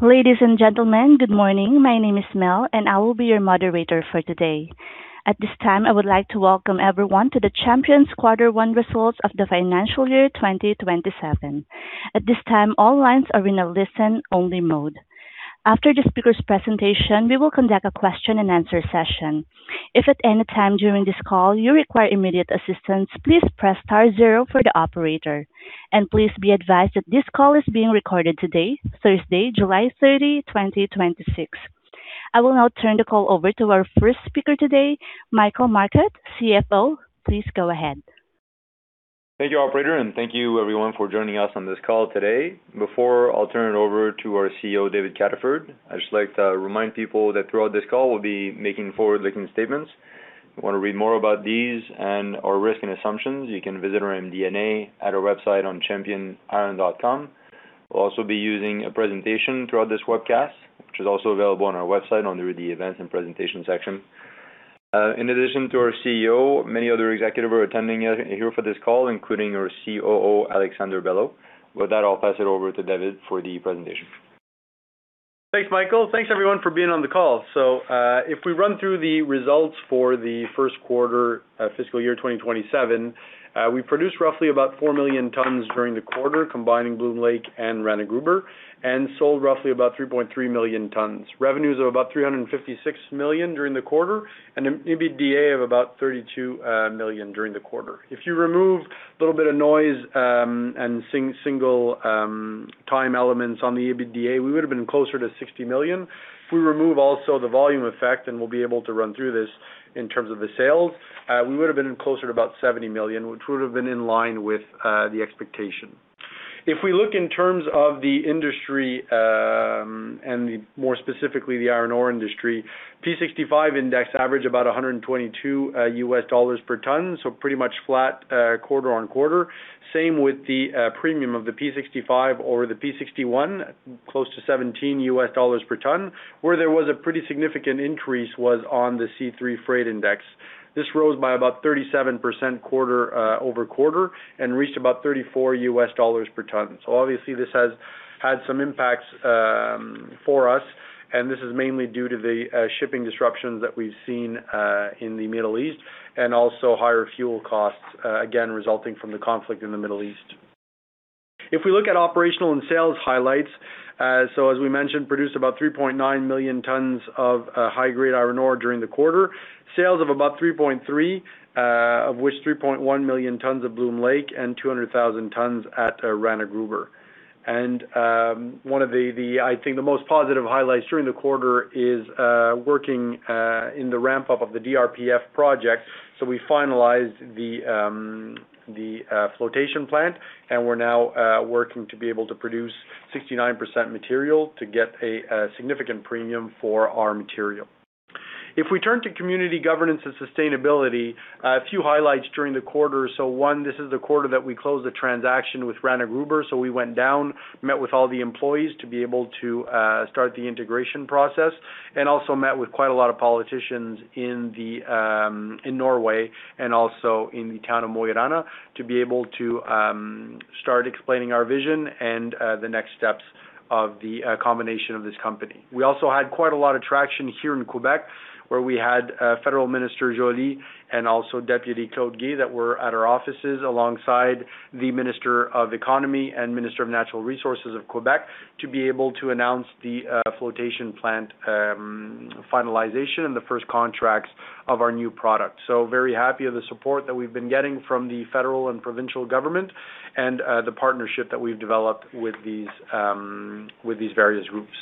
Ladies and gentlemen, good morning. My name is Mel, and I will be your moderator for today. At this time, I would like to welcome everyone to the Champion Quarter One results of the financial year 2027. At this time, all lines are in a listen-only mode. After the speaker's presentation, we will conduct a question-and-answer session. If at any time during this call you require immediate assistance, please press star zero for the operator. Please be advised that this call is being recorded today, Thursday, July 30, 2026. I will now turn the call over to our first speaker today, Michael Marcotte, CFO. Please go ahead. Thank you, operator, and thank you everyone for joining us on this call today. Before I'll turn it over to our CEO, David Cataford, I'd just like to remind people that throughout this call, we'll be making forward-looking statements. If you want to read more about these and/or risk and assumptions, you can visit our MD&A at our website on championiron.com. We'll also be using a presentation throughout this webcast, which is also available on our website under the Events and Presentation section. In addition to our CEO, many other executives are attending here for this call, including our COO, Alexandre Belleau. With that, I'll pass it over to David for the presentation. Thanks, Michael. Thanks everyone for being on the call. If we run through the results for the first quarter fiscal year 2027, we produced roughly about 4 million tons during the quarter, combining Bloom Lake and Rana Gruber, and sold roughly about 3.3 million tons. Revenues of about 356 million during the quarter, and an EBITDA of about 32 million during the quarter. If you remove a little bit of noise and single time elements on the EBITDA, we would've been closer to 60 million. If we remove also the volume effect, we'll be able to run through this in terms of the sales, we would've been closer to about 70 million, which would've been in line with the expectation. If we look in terms of the industry, more specifically the iron ore industry, P65 index average about $122 per ton, pretty much flat quarter-over-quarter. Same with the premium of the P65 or the P61, close to $17 per ton. Where there was a pretty significant increase was on the C3 freight index. This rose by about 37% quarter-over-quarter and reached about $34 per ton. Obviously this has had some impacts for us, and this is mainly due to the shipping disruptions that we've seen in the Middle East and also higher fuel costs, again, resulting from the conflict in the Middle East. If we look at operational and sales highlights, as we mentioned, produced about 3.9 million tons of high-grade iron ore during the quarter, sales of about 3.3, of which 3.1 million tons of Bloom Lake and 200,000 tons at Rana Gruber. One of the, I think, the most positive highlights during the quarter is working in the ramp-up of the DRPF project. We finalized the flotation plant and we are now working to be able to produce 69% material to get a significant premium for our material. If we turn to community governance and sustainability, a few highlights during the quarter. One, this is the quarter that we closed the transaction with Rana Gruber. We went down, met with all the employees to be able to start the integration process, and also met with quite a lot of politicians in Norway and also in the town of Mo i Rana to be able to start explaining our vision and the next steps of the combination of this company. We also had quite a lot of traction here in Quebec, where we had Federal Minister Joly and also Deputy Claude Guay that were at our offices alongside the Minister of Economy and Minister of Natural Resources of Quebec to be able to announce the flotation plant finalization and the first contracts of our new product. Very happy of the support that we've been getting from the federal and provincial government and the partnership that we've developed with these various groups.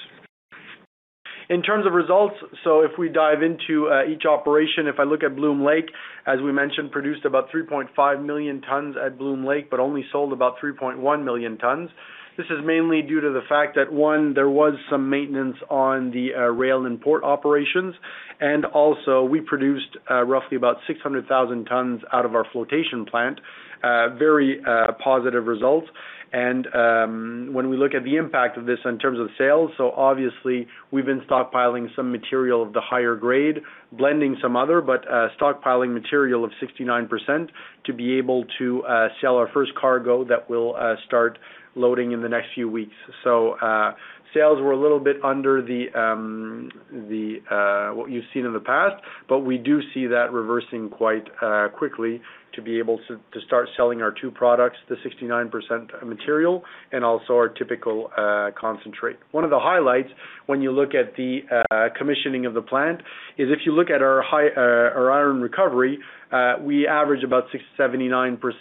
In terms of results, if we dive into each operation, if I look at Bloom Lake, as we mentioned, produced about 3.5 million tons at Bloom Lake, but only sold about 3.1 million tons. This is mainly due to the fact that, one, there was some maintenance on the rail and port operations, and also we produced roughly about 600,000 tons out of our flotation plant. Very positive results. When we look at the impact of this in terms of sales, obviously we've been stockpiling some material of the higher grade, blending some other, but stockpiling material of 69% to be able to sell our first cargo that will start loading in the next few weeks. Sales were a little bit under what you've seen in the past, but we do see that reversing quite quickly to be able to start selling our two products, the 69% material and also our typical concentrate. One of the highlights when you look at the commissioning of the plant is if you look at our iron recovery, we average about 67%,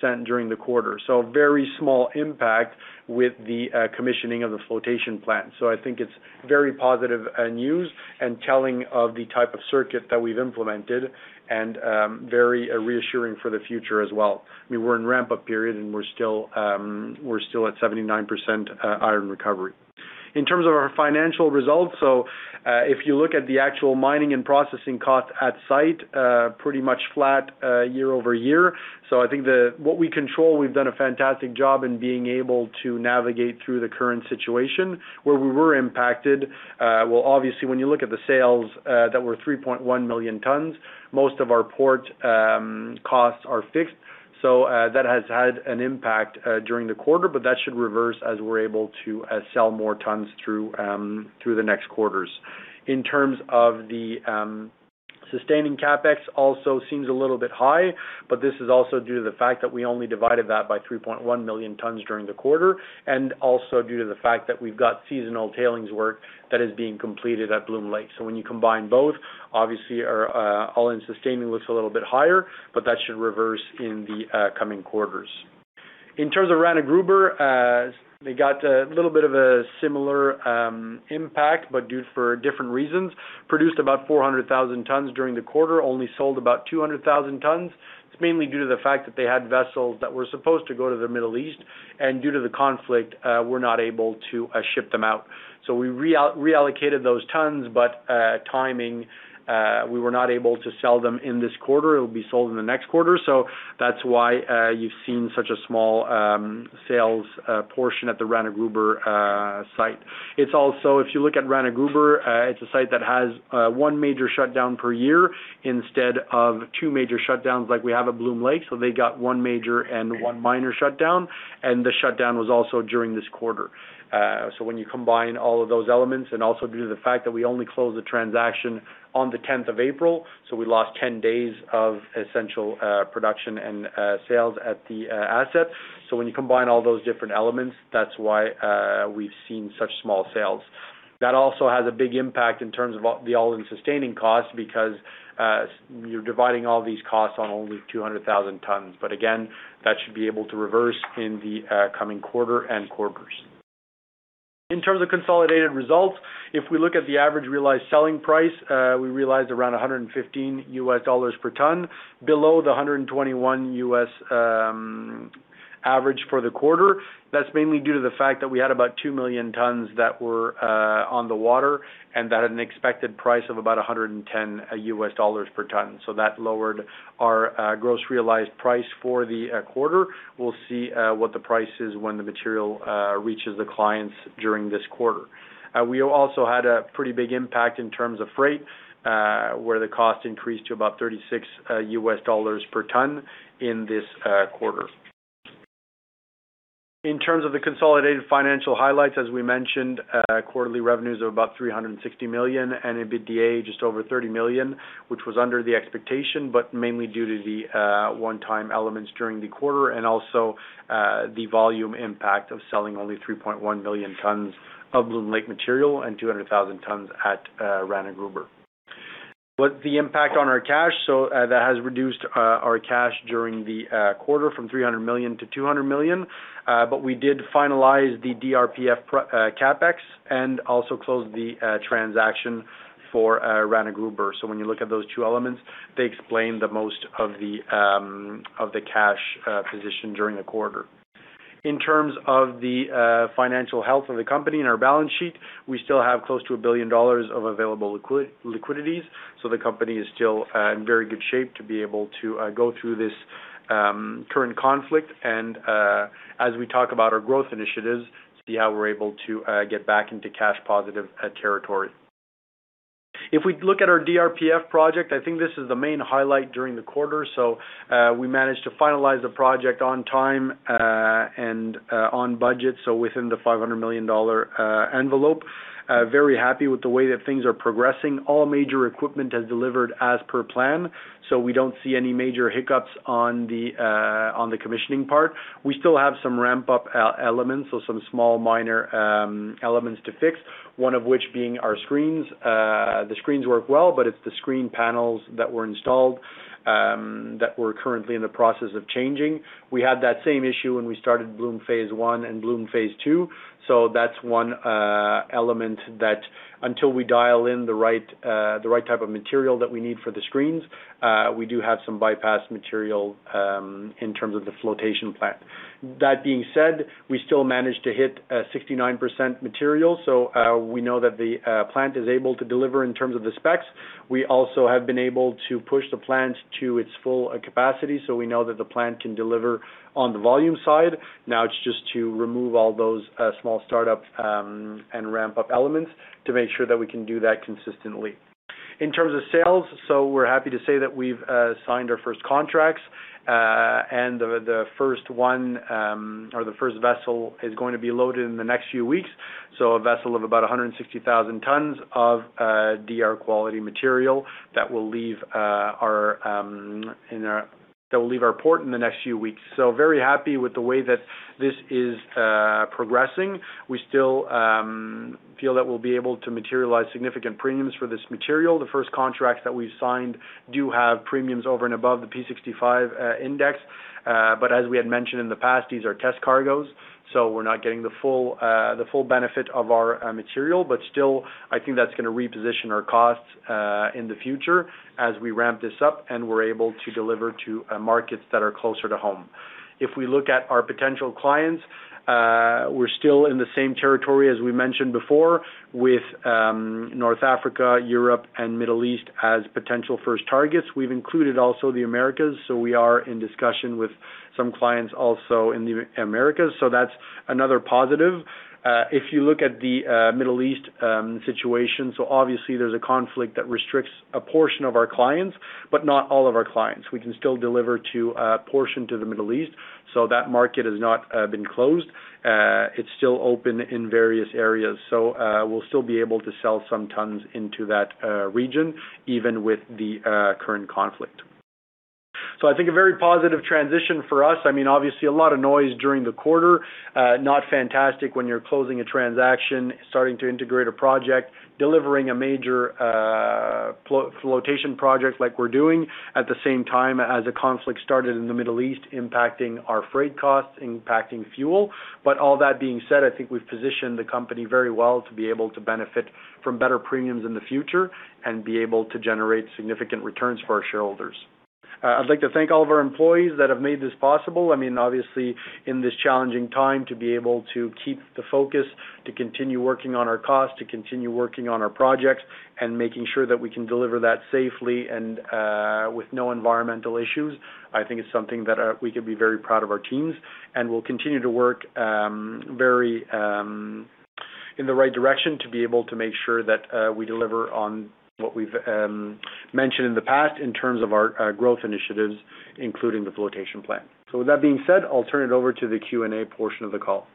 79% during the quarter. Very small impact with the commissioning of the flotation plant. I think it's very positive news and telling of the type of circuit that we've implemented and very reassuring for the future as well. We were in ramp-up period and we are still at 79% iron recovery. In terms of our financial results, if you look at the actual mining and processing costs at site, pretty much flat year-over-year. I think that what we control, we've done a fantastic job in being able to navigate through the current situation. Where we were impacted, obviously, when you look at the sales that were 3.1 million tons, most of our port costs are fixed. That has had an impact during the quarter, but that should reverse as we're able to sell more tons through the next quarters. In terms of the sustaining CapEx also seems a little bit high, but this is also due to the fact that we only divided that by 3.1 million tons during the quarter, and also due to the fact that we've got seasonal tailings work that is being completed at Bloom Lake. When you combine both, obviously, our all-in sustaining looks a little bit higher, but that should reverse in the coming quarters. In terms of Rana Gruber, they got a little bit of a similar impact, but due for different reasons. Produced about 400,000 tons during the quarter, only sold about 200,000 tons. It's mainly due to the fact that they had vessels that were supposed to go to the Middle East, and due to the conflict, were not able to ship them out. We reallocated those tons, but timing, we were not able to sell them in this quarter. It'll be sold in the next quarter. That's why you've seen such a small sales portion at the Rana Gruber site. It's also, if you look at Rana Gruber, it's a site that has one major shutdown per year instead of two major shutdowns like we have at Bloom Lake. They got one major and one minor shutdown, and the shutdown was also during this quarter. When you combine all of those elements and also due to the fact that we only closed the transaction on the 10th of April, we lost 10 days of essential production and sales at the asset. When you combine all those different elements, that's why we've seen such small sales. That also has a big impact in terms of the all-in sustaining costs because you're dividing all these costs on only 200,000 tons. Again, that should be able to reverse in the coming quarter and quarters. In terms of consolidated results, if we look at the average realized selling price, we realized around $115 per tons, below the $121 average for the quarter. That's mainly due to the fact that we had about 2 million tons that were on the water and at an expected price of about $110 per tons. That lowered our gross realized price for the quarter. We'll see what the price is when the material reaches the clients during this quarter. We also had a pretty big impact in terms of freight, where the cost increased to about $36 per ton in this quarter. In terms of the consolidated financial highlights, as we mentioned, quarterly revenues of about 360 million and EBITDA just over 30 million, which was under the expectation, but mainly due to the one-time elements during the quarter and also the volume impact of selling only 3.1 million tons of Bloom Lake material and 200,000 tons at Rana Gruber. With the impact on our cash, that has reduced our cash during the quarter from 300 million-200 million. We did finalize the DRPF CapEx and also closed the transaction for Rana Gruber. When you look at those two elements, they explain the most of the cash position during the quarter. In terms of the financial health of the company and our balance sheet, we still have close to 1 billion dollars of available liquidities. The company is still in very good shape to be able to go through this current conflict and, as we talk about our growth initiatives, see how we are able to get back into cash positive territory. If we look at our DRPF project, I think this is the main highlight during the quarter. We managed to finalize the project on time and on budget, within the 500 million dollar envelope. Very happy with the way that things are progressing. All major equipment has delivered as per plan, we do not see any major hiccups on the commissioning part. We still have some ramp-up elements, some small minor elements to fix, one of which being our screens. The screens work well, but it is the screen panels that were installed that we are currently in the process of changing. We had that same issue when we started Bloom Lake Phase I and Bloom Lake Phase II. That is one element that until we dial in the right type of material that we need for the screens, we do have some bypass material in terms of the flotation plant. That being said, we still managed to hit 69% material, so we know that the plant is able to deliver in terms of the specs. We also have been able to push the plant to its full capacity, so we know that the plant can deliver on the volume side. It is just to remove all those small startup and ramp-up elements to make sure that we can do that consistently. In terms of sales, we are happy to say that we have signed our first contracts, and the first one or the first vessel is going to be loaded in the next few weeks. A vessel of about 160,000 tons of DR quality material that will leave our port in the next few weeks. Very happy with the way that this is progressing. We still feel that we will be able to materialize significant premiums for this material. The first contracts that we have signed do have premiums over and above the P65 index. As we had mentioned in the past, these are test cargoes, so we are not getting the full benefit of our material, but still, I think that is going to reposition our costs in the future as we ramp this up and we are able to deliver to markets that are closer to home. If we look at our potential clients, we are still in the same territory as we mentioned before with North Africa, Europe, and Middle East as potential first targets. We have included also the Americas, so we are in discussion with some clients also in the Americas, so that is another positive. If you look at the Middle East situation, obviously there is a conflict that restricts a portion of our clients, but not all of our clients. We can still deliver to a portion to the Middle East, so that market has not been closed. It's still open in various areas, we'll still be able to sell some tons into that region, even with the current conflict. I think a very positive transition for us. Obviously, a lot of noise during the quarter. Not fantastic when you're closing a transaction, starting to integrate a project, delivering a major flotation project like we're doing, at the same time as a conflict started in the Middle East, impacting our freight costs, impacting fuel. All that being said, I think we've positioned the company very well to be able to benefit from better premiums in the future and be able to generate significant returns for our shareholders. I'd like to thank all of our employees that have made this possible. Obviously, in this challenging time, to be able to keep the focus, to continue working on our costs, to continue working on our projects, and making sure that we can deliver that safely and with no environmental issues, I think is something that we can be very proud of our teams. We'll continue to work in the right direction to be able to make sure that we deliver on what we've mentioned in the past in terms of our growth initiatives, including the flotation plant. With that being said, I'll turn it over to the Q&A portion of the call.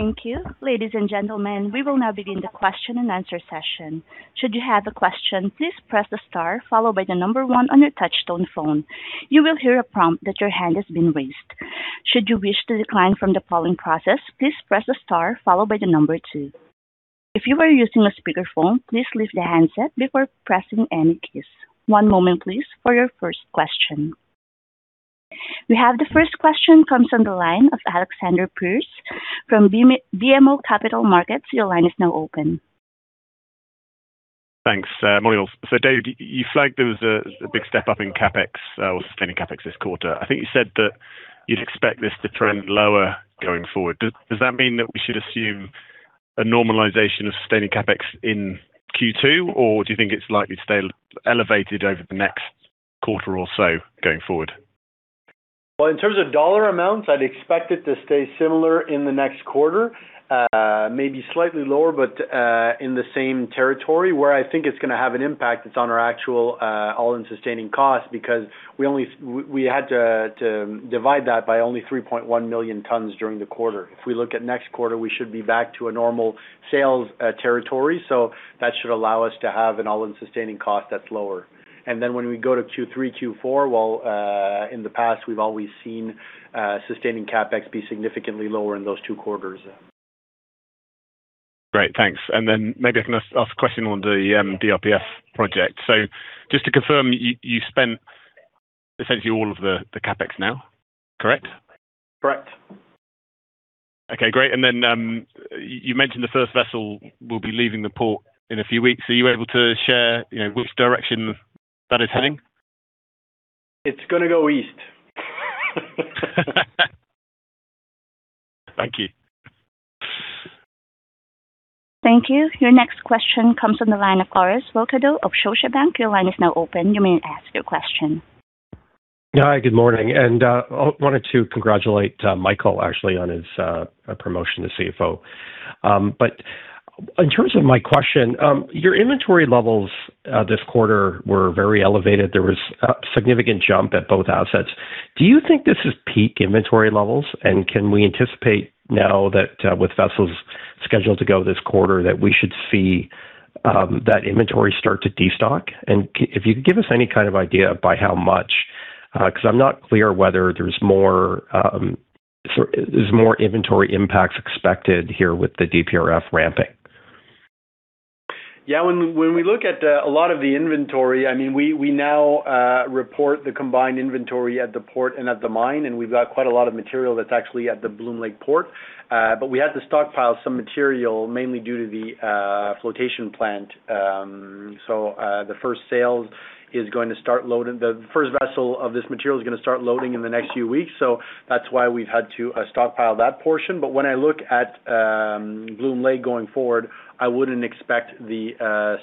Thank you. Ladies and gentlemen, we will now begin the question-and-answer session. Should you have a question, please press the star followed by the number one on your touchtone phone. You will hear a prompt that your hand has been raised. Should you wish to decline from the polling process, please press the star followed by the number two. If you are using a speakerphone, please lift the handset before pressing any keys. One moment, please, for your first question. We have the first question comes on the line of Alexander Pearce from BMO Capital Markets. Your line is now open. Thanks. Morning, all. Dave, you flagged there was a big step up in CapEx, or sustaining CapEx this quarter. I think you said that you'd expect this to trend lower going forward. Does that mean that we should assume a normalization of sustaining CapEx in Q2, or do you think it's likely to stay elevated over the next quarter or so going forward? Well, in terms of Canadian dollar amounts, I'd expect it to stay similar in the next quarter. Maybe slightly lower, but in the same territory. Where I think it's going to have an impact, it's on our actual All-in Sustaining Cost because we had to divide that by only 3.1 million tons during the quarter. If we look at next quarter, we should be back to a normal sales territory, that should allow us to have an All-in Sustaining Cost that's lower. When we go to Q3, Q4, while in the past we've always seen sustaining CapEx be significantly lower in those two quarters. Great, thanks. Maybe I can ask a question on the DRPF project. So just to confirm, you spent essentially all of the CapEx now, correct? Correct. Okay, great. You mentioned the first vessel will be leaving the port in a few weeks. Are you able to share which direction that is heading? It's going to go east. Thank you. Thank you. Your next question comes from the line of Orest Wowkodaw of Scotiabank. Your line is now open. You may ask your question. Hi, good morning. I wanted to congratulate Michael, actually, on his promotion to CFO. In terms of my question, your inventory levels this quarter were very elevated. There was a significant jump at both assets. Do you think this is peak inventory levels? And can we anticipate now that with vessels scheduled to go this quarter, that we should see that inventory start to destock? And if you could give us any kind of idea by how much, because I'm not clear whether there's more inventory impacts expected here with the DRPF ramping. When we look at a lot of the inventory, we now report the combined inventory at the port and at the mine. We've got quite a lot of material that's actually at the Bloom Lake port. We had to stockpile some material mainly due to the flotation plant. The first sales, the first vessel of this material is going to start loading in the next few weeks. That's why we've had to stockpile that portion. When I look at Bloom Lake going forward, I wouldn't expect the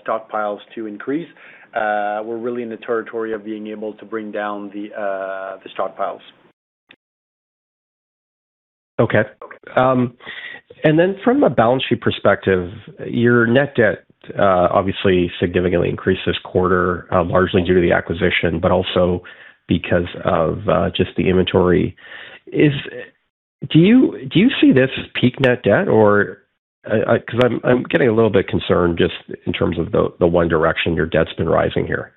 stockpiles to increase. We're really in the territory of being able to bring down the stockpiles. Okay. From a balance sheet perspective, your net debt obviously significantly increased this quarter, largely due to the acquisition, but also because of just the inventory. Do you see this as peak net debt? I'm getting a little bit concerned just in terms of the one direction your debt's been rising here.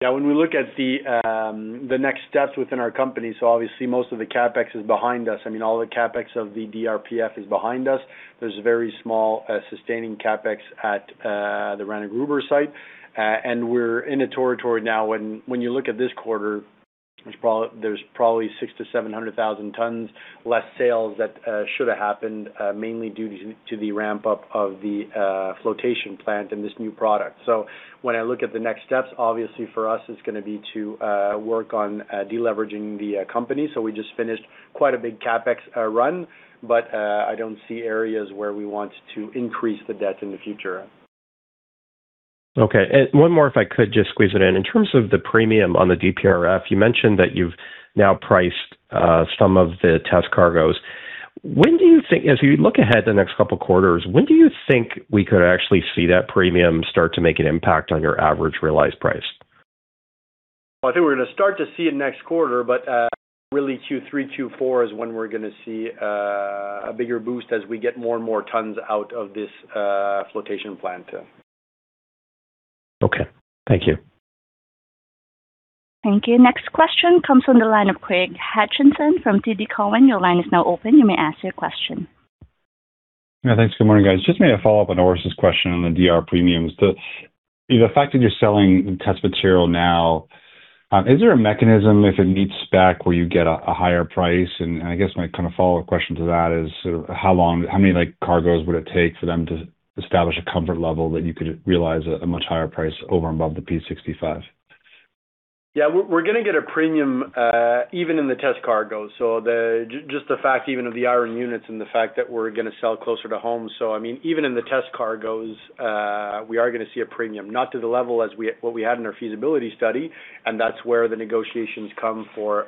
When we look at the next steps within our company, obviously most of the CapEx is behind us. All the CapEx of the DRPF is behind us. There is very small sustaining CapEx at the Rana Gruber site. We are in a territory now, when you look at this quarter, there is probably 600,000-700,000 tons less sales that should have happened, mainly due to the ramp-up of the flotation plant and this new product. When I look at the next steps, obviously for us it is going to be to work on de-leveraging the company. We just finished quite a big CapEx run, I do not see areas where we want to increase the debt in the future. Okay. One more, if I could just squeeze it in. In terms of the premium on the DRPF, you mentioned that you have now priced some of the test cargoes. You look ahead the next couple quarters, when do you think we could actually see that premium start to make an impact on your average realized price? I think we are going to start to see it next quarter. Q3, Q4 is when we are going to see a bigger boost as we get more and more tons out of this flotation plant. Okay. Thank you. Thank you. Next question comes from the line of Craig Hutchison from TD Cowen. Your line is now open. You may ask your question. Yeah. Thanks. Good morning, guys. Just maybe a follow-up on Orest question on the DR premiums. The fact that you're selling test material now, is there a mechanism if it meets spec where you get a higher price? And I guess my follow-up question to that is how many cargoes would it take for them to establish a comfort level that you could realize a much higher price over and above the P65? Yeah, we're going to get a premium, even in the test cargoes. Just the fact even of the iron units and the fact that we're going to sell closer to home. Even in the test cargoes, we are going to see a premium, not to the level as what we had in our feasibility study, and that's where the negotiations come for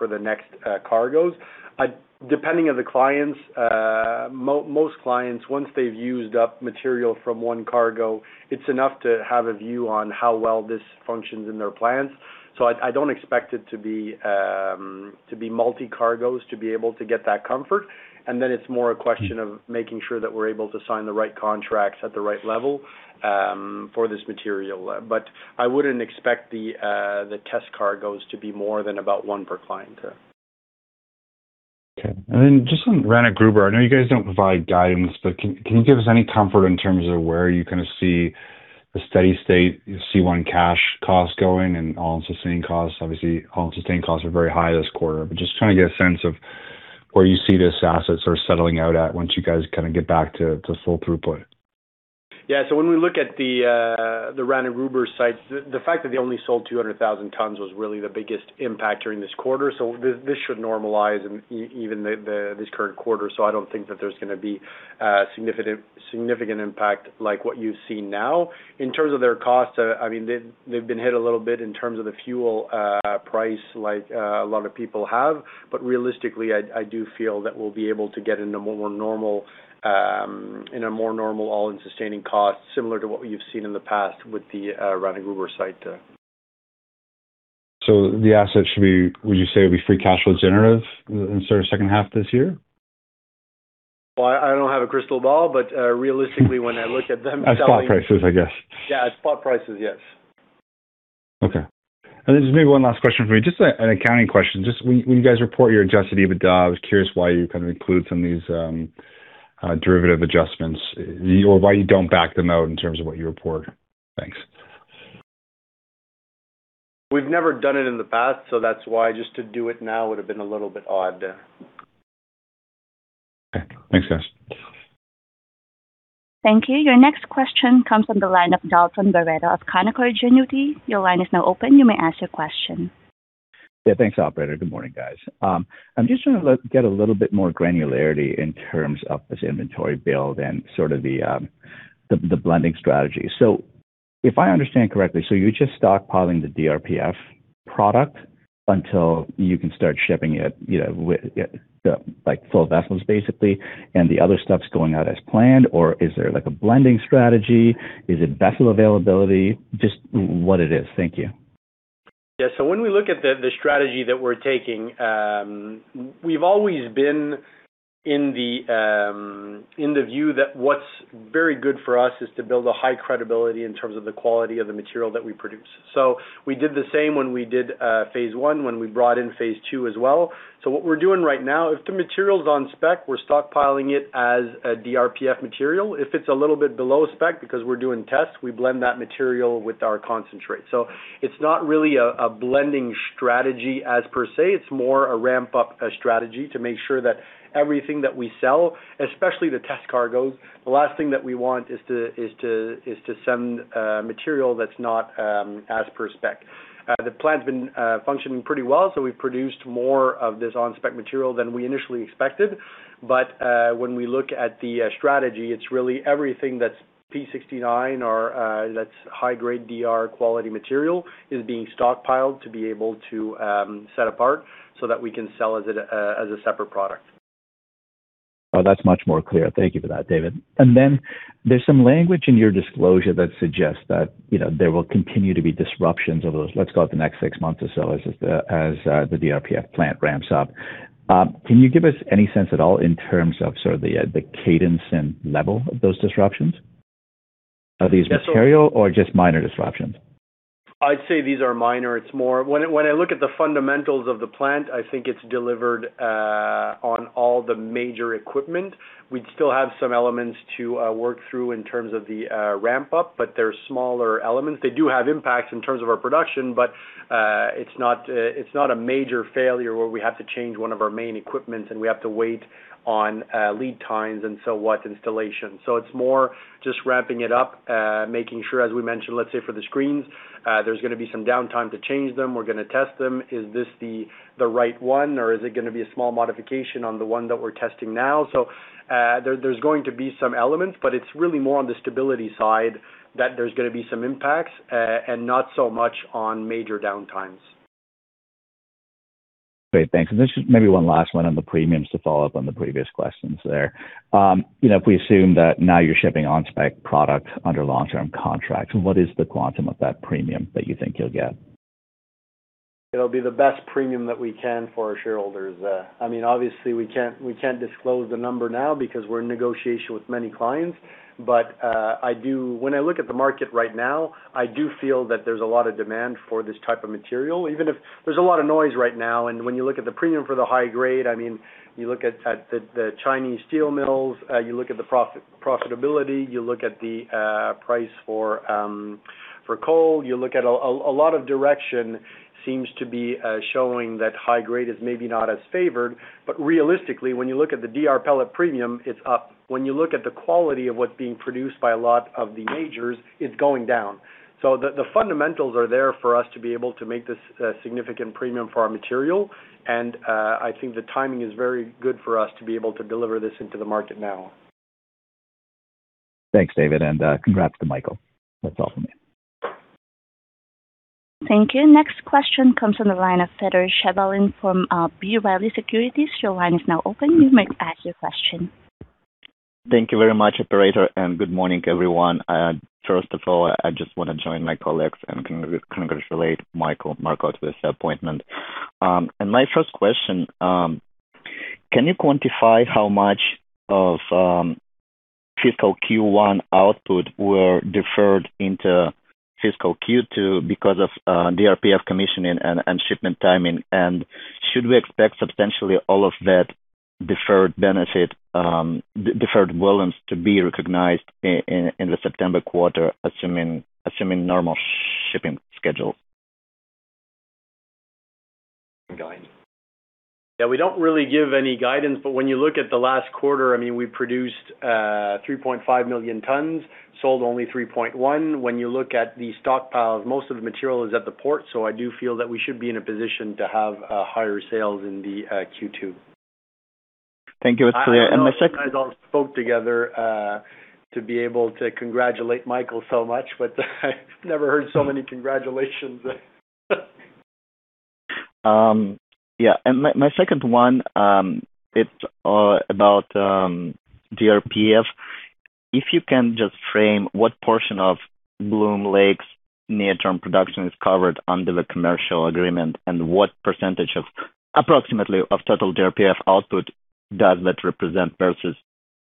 the next cargoes. Depending on the clients, most clients, once they've used up material from one cargo, it's enough to have a view on how well this functions in their plans. I don't expect it to be multi-cargoes to be able to get that comfort. It's more a question of making sure that we're able to sign the right contracts at the right level, for this material. I wouldn't expect the test cargoes to be more than about one per client. Okay. Just on Rana Gruber, I know you guys don't provide guidance, can you give us any comfort in terms of where you see the steady state C1 cash costs going and all-in sustaining costs? Obviously, all-in sustaining costs are very high this quarter, just trying to get a sense of where you see this asset sort of settling out at once you guys get back to full throughput. Yeah. When we look at the Rana Gruber site, the fact that they only sold 200,000 tons was really the biggest impact during this quarter. This should normalize even this current quarter, I don't think that there's going to be a significant impact like what you've seen now. In terms of their costs, they've been hit a little bit in terms of the fuel price like a lot of people have. Realistically, I do feel that we'll be able to get in a more normal all-in sustaining cost, similar to what you've seen in the past with the Rana Gruber site. The asset should be, would you say, will be free cash flow generative in sort of second half this year? Well, I don't have a crystal ball, realistically, when I look at them. At spot prices, I guess. Yeah. At spot prices, yes. Okay. Just maybe one last question for me, just an accounting question. Just when you guys report your adjusted EBITDA, I was curious why you include some of these derivative adjustments or why you don't back them out in terms of what you report. Thanks. We've never done it in the past, that's why just to do it now would've been a little bit odd. Okay. Thanks, guys. Thank you. Your next question comes from the line of Dalton Baretto of Canaccord Genuity. Your line is now open. You may ask your question. Yeah, thanks, operator. Good morning, guys. I'm just trying to get a little bit more granularity in terms of this inventory build and sort of the blending strategy. If I understand correctly, you're just stockpiling the DRPF product until you can start shipping it, like full vessels basically, and the other stuff's going out as planned, or is there like a blending strategy? Is it vessel availability? Just what it is. Thank you. Yeah. When we look at the strategy that we're taking, we've always been in the view that what's very good for us is to build a high credibility in terms of the quality of the material that we produce. We did the same when we did phase I, when we brought in phase II as well. What we're doing right now, if the material's on spec, we're stockpiling it as a DRPF material. If it's a little bit below spec because we're doing tests, we blend that material with our concentrate. It's not really a blending strategy as per se, it's more a ramp-up strategy to make sure that everything that we sell, especially the test cargoes. The last thing that we want is to send material that's not as per spec. The plant's been functioning pretty well, we've produced more of this on-spec material than we initially expected. When we look at the strategy, it's really everything that's P69 or, that's high-grade DR quality material is being stockpiled to be able to set apart so that we can sell as a separate product. That's much more clear. Thank you for that, David. There's some language in your disclosure that suggests that there will continue to be disruptions over, let's call it, the next six months or so as the DRPF plant ramps up. Can you give us any sense at all in terms of sort of the cadence and level of those disruptions? Are these material or just minor disruptions? I'd say these are minor. When I look at the fundamentals of the plant, I think it's delivered on all the major equipment. We'd still have some elements to work through in terms of the ramp up, but they're smaller elements. They do have impacts in terms of our production, but it's not a major failure where we have to change one of our main equipment and we have to wait on lead times and installation. It's more just ramping it up, making sure, as we mentioned, let's say for the screens, there's going to be some downtime to change them. We're going to test them. Is this the right one or is it going to be a small modification on the one that we're testing now? There's going to be some elements, but it's really more on the stability side that there's going to be some impacts, and not so much on major downtimes. Thanks. This is maybe one last one on the premiums to follow up on the previous questions there. If we assume that now you're shipping on-spec product under long-term contracts, what is the quantum of that premium that you think you'll get? It'll be the best premium that we can for our shareholders. Obviously, we can't disclose the number now because we're in negotiation with many clients. When I look at the market right now, I do feel that there's a lot of demand for this type of material, even if there's a lot of noise right now. When you look at the premium for the high grade, you look at the Chinese steel mills, you look at the profitability, you look at the price for coal. A lot of direction seems to be showing that high grade is maybe not as favored. Realistically, when you look at the DR pellet premium, it's up. When you look at the quality of what's being produced by a lot of the majors, it's going down. The fundamentals are there for us to be able to make this a significant premium for our material. I think the timing is very good for us to be able to deliver this into the market now. Thanks, David, and congrats to Michael. That's all from me. Thank you. Next question comes from the line of Fedor Shabalin from B. Riley Securities. Your line is now open. You may ask your question. Thank you very much, operator. Good morning, everyone. First of all, I just want to join my colleagues and congratulate Michael Marcotte with the appointment. My first question, can you quantify how much of fiscal Q1 output were deferred into fiscal Q2 because of DRPF commissioning and shipment timing? Should we expect substantially all of that deferred volumes to be recognized in the September quarter, assuming normal shipping schedules? We don't really give any guidance. When you look at the last quarter, we produced 3.5 million tons, sold only 3.1 million tons. When you look at the stockpiles, most of the material is at the port. I do feel that we should be in a position to have higher sales in the Q2. Thank you. That's clear. My second. I don't know if you guys all spoke together, to be able to congratulate Michael so much, but I've never heard so many congratulations. Yeah. My second one, it's about DRPF. If you can just frame what portion of Bloom Lake's near-term production is covered under the commercial agreement and what percentage, approximately, of total DRPF output does that represent versus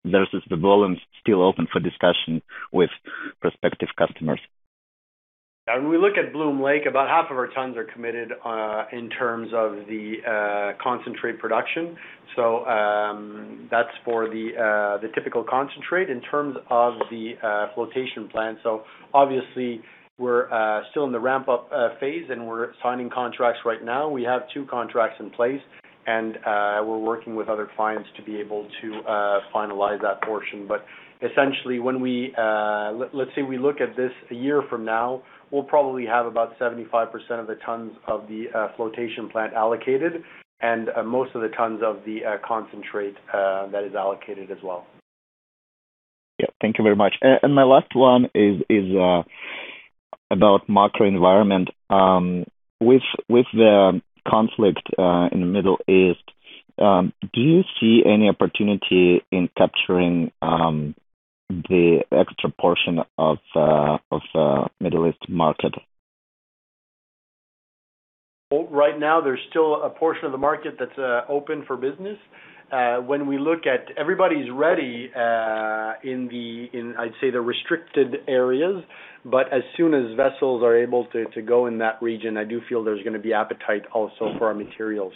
the volumes still open for discussion with prospective customers? When we look at Bloom Lake, about half of our tons are committed, in terms of the concentrate production. That's for the typical concentrate in terms of the flotation plant. Obviously we're still in the ramp-up phase, and we're signing contracts right now. We have two contracts in place, and we're working with other clients to be able to finalize that portion. Essentially, let's say we look at this a year from now, we'll probably have about 75% of the tons of the flotation plant allocated and most of the tons of the concentrate that is allocated as well. Yeah, thank you very much. My last one is about macro environment. With the conflict in the Middle East, do you see any opportunity in capturing the extra portion of the Middle East market? Right now, there's still a portion of the market that's open for business. Everybody's ready, in, I'd say, the restricted areas, but as soon as vessels are able to go in that region, I do feel there's going to be appetite also for our material.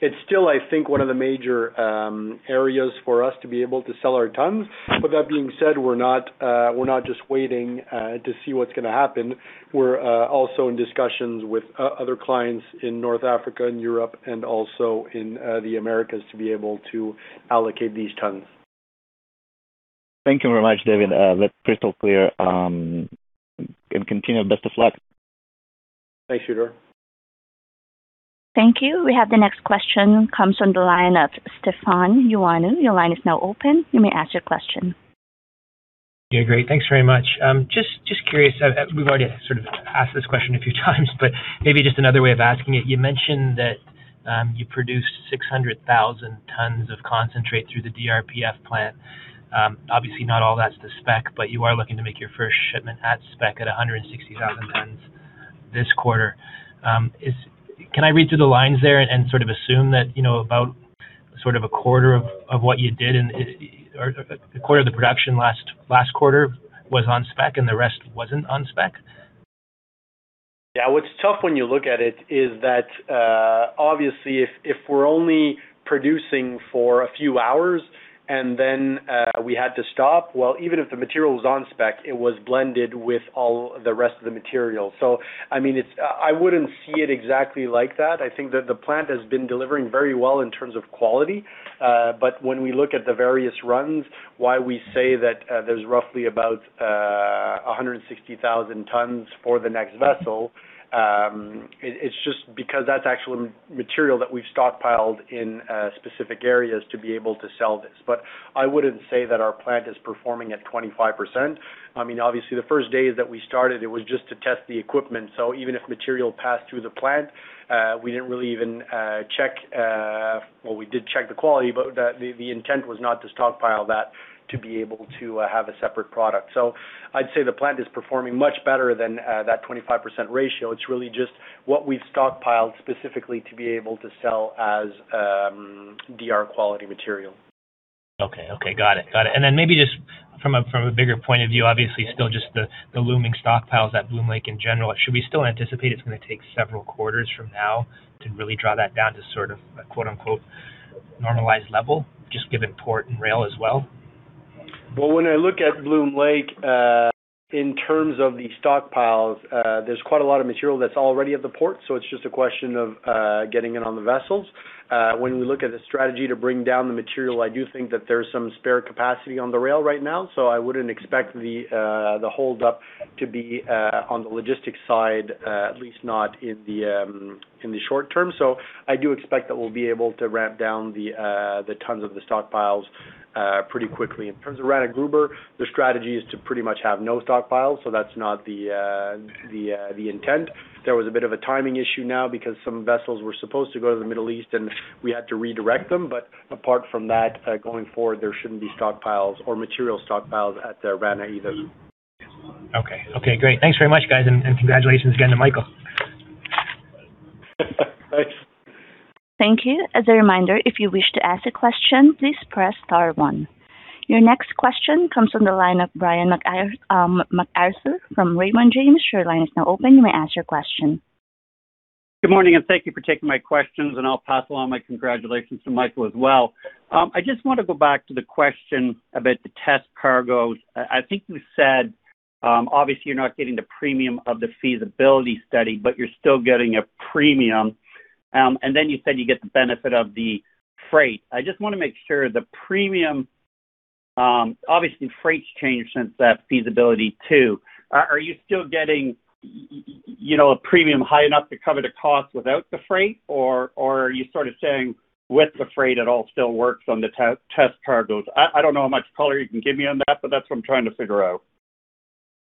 It's still, I think, one of the major areas for us to be able to sell our tons. That being said, we're not just waiting to see what's going to happen. We're also in discussions with other clients in North Africa and Europe and also in the Americas to be able to allocate these tons. Thank you very much, David. That's crystal clear, and continue. Best of luck. Thanks, Fedor. Thank you. We have the next question, comes from the line of Stefan Ioannou. Your line is now open. You may ask your question. Yeah, great. Thanks very much. Just curious, we've already sort of asked this question a few times, maybe just another way of asking it. You mentioned that you produced 600,000 tons of concentrate through the DRPF plant. Obviously, not all that's to spec, you are looking to make your first shipment at spec at 160,000 tons this quarter. Can I read through the lines there and sort of assume that about a quarter of the production last quarter was on spec and the rest wasn't on spec? Yeah. What's tough when you look at it is that, obviously if we're only producing for a few hours and then we had to stop, well, even if the material was on spec, it was blended with all the rest of the material. I wouldn't see it exactly like that. I think that the plant has been delivering very well in terms of quality. When we look at the various runs, why we say that there's roughly about 160,000 tons for the next vessel, it's just because that's actually material that we've stockpiled in specific areas to be able to sell this. I wouldn't say that our plant is performing at 25%. Obviously, the first days that we started, it was just to test the equipment. Even if material passed through the plant, we didn't really even check. Well, we did check the quality, but the intent was not to stockpile that to be able to have a separate product. I'd say the plant is performing much better than that 25% ratio. It's really just what we've stockpiled specifically to be able to sell as DR quality material. Okay. Got it. Maybe just from a bigger point of view, obviously still just the looming stockpiles at Bloom Lake in general, should we still anticipate it's going to take several quarters from now to really draw that down to sort of a quote-unquote, normalized level, just given port and rail as well? Well, when I look at Bloom Lake, in terms of the stockpiles, there's quite a lot of material that's already at the port, so it's just a question of getting it on the vessels. When we look at a strategy to bring down the material, I do think that there's some spare capacity on the rail right now, I wouldn't expect the hold up to be on the logistics side, at least not in the short term. I do expect that we'll be able to ramp down the tons of the stockpiles pretty quickly. In terms of Rana Gruber, their strategy is to pretty much have no stockpiles, so that's not the intent. There was a bit of a timing issue now because some vessels were supposed to go to the Middle East and we had to redirect them. Apart from that, going forward, there shouldn't be stockpiles or material stockpiles at the Rana either. Okay. Great. Thanks very much, guys. Congratulations again to Michael. Thanks. Thank you. As a reminder, if you wish to ask a question, please press star one. Your next question comes from the line of Brian MacArthur from Raymond James. Your line is now open. You may ask your question. Good morning. Thank you for taking my questions, and I'll pass along my congratulations to Michael as well. I just want to go back to the question about the test cargoes. I think you said, obviously you're not getting the premium of the feasibility study, but you're still getting a premium. You said you get the benefit of the freight. I just want to make sure the premium, obviously freights changed since that feasibility too. Are you still getting a premium high enough to cover the cost without the freight or are you sort of saying with the freight it all still works on the test cargoes? I don't know how much color you can give me on that. That's what I'm trying to figure out.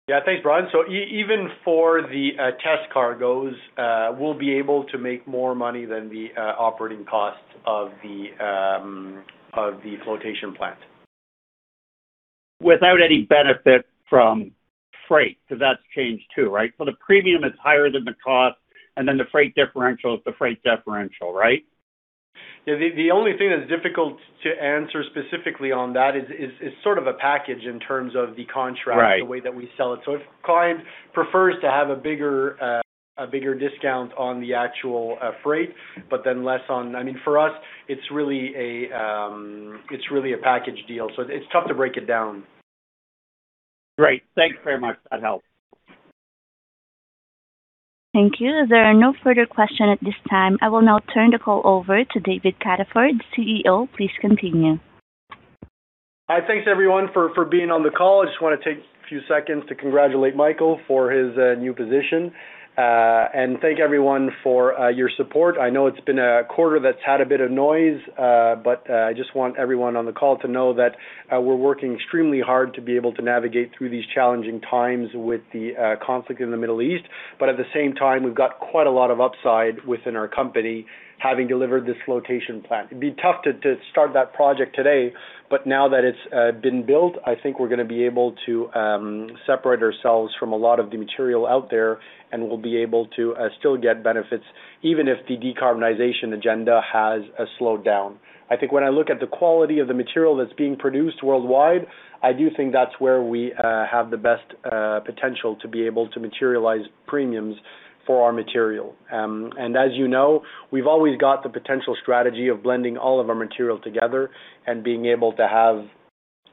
Yeah. Thanks, Brian. Even for the test cargoes, we'll be able to make more money than the operating costs of the flotation plant. Without any benefit from freight, because that's changed too, right? The premium is higher than the cost, and then the freight differential is the freight differential right? Yeah, the only thing that's difficult to answer specifically on that is sort of a package in terms of the contract. Right. The way that we sell it. If a client prefers to have a bigger discount on the actual freight. For us it's really a package deal. It's tough to break it down. Great. Thanks very much. That helped. Thank you. There are no further question at this time. I will now turn the call over to David Cataford, CEO. Please continue. All right. Thanks everyone for being on the call. I just want to take a few seconds to congratulate Michael for his new position. Thank everyone for your support. I know it's been a quarter that's had a bit of noise. I just want everyone on the call to know that we're working extremely hard to be able to navigate through these challenging times with the conflict in the Middle East. At the same time, we've got quite a lot of upside within our company having delivered this flotation plant. It'd be tough to start that project today, but now that it's been built, I think we're going to be able to separate ourselves from a lot of the material out there, and we'll be able to still get benefits even if the decarbonization agenda has slowed down. I think when I look at the quality of the material that's being produced worldwide, I do think that's where we have the best potential to be able to materialize premiums for our material. As you know, we've always got the potential strategy of blending all of our material together and being able to have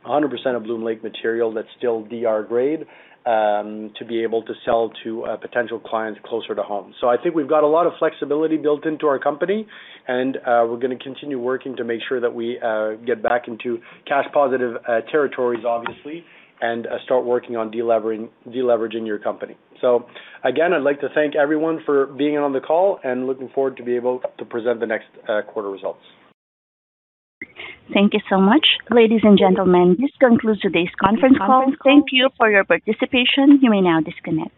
100% of Bloom Lake material that's still DR grade, to be able to sell to potential clients closer to home. I think we've got a lot of flexibility built into our company, and we're going to continue working to make sure that we get back into cash positive territories, obviously, and start working on deleveraging your company. Again, I'd like to thank everyone for being on the call and looking forward to be able to present the next quarter results. Thank you so much. Ladies and gentlemen, this concludes today's conference call. Thank you for your participation. You may now disconnect.